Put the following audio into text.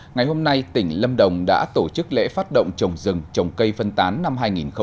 ngày hôm nay tỉnh lâm đồng đã tổ chức lễ phát động trồng rừng trồng cây phân tán năm hai nghìn hai mươi